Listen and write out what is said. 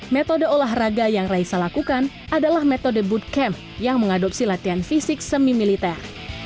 metode olahraga yang raisa lakukan adalah metode bootcamp yang mengadopsi latihan fisik semi militer